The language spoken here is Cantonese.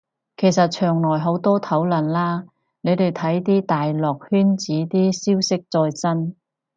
其實牆內好多討論啦，你哋睇啲大陸人圈子啲消息最新